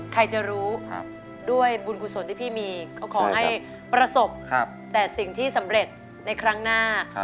ใครจะรู้ด้วยบุญกุศลที่พี่มีก็ขอให้ประสบแต่สิ่งที่สำเร็จในครั้งหน้า